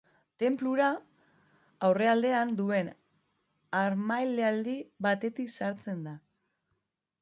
Tenplura, aurrealdean duen harmailadi batetik sartzen da.